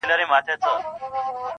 ما درمل راوړه ما په سونډو باندې ووهله,